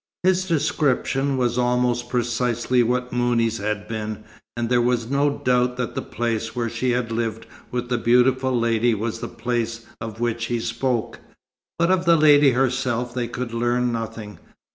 His description was almost precisely what Mouni's had been, and there was no doubt that the place where she had lived with the beautiful lady was the place of which he spoke. But of the lady herself they could learn nothing.